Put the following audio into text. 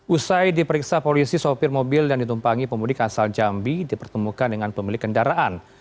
usai diperiksa polisi sopir mobil yang ditumpangi pemudik asal jambi dipertemukan dengan pemilik kendaraan